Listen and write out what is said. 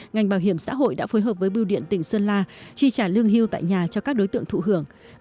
ngành bảo hiểm xã hội đã phối hợp với biêu điện tỉnh sơn la chi trả lương hiu tại nhà cho các đối tượng thụ hưởng